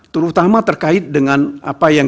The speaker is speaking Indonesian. terutama terkait dengan apa yang